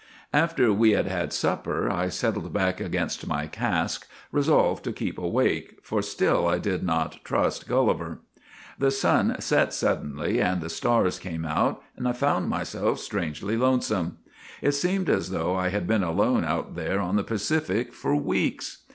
" After we had had supper, I settled back against my cask, resolved to keep awake, for still I did not trust Gulliver. The sun set suddenly and the stars came out, and I found myself strangely lonesome. It seemed as though I had been alone out there on the Pacific for weeks.